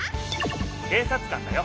警察官だよ。